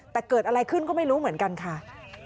แต่เกิดอะไรขึ้นก็ไม่รู้เหมือนกันค่ะ